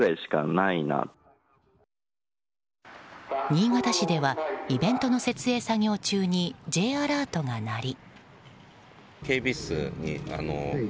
新潟市ではイベントの設営作業中にＪアラートが鳴り。